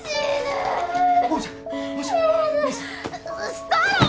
ストロー！